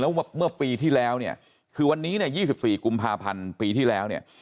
แล้วเมื่อปีที่แล้วคือวันนี้๒๔กุมภาพันธ์ปีที่แล้ว